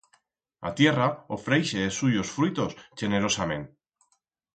A tierra ofreixe es suyos fruitos chenerosament.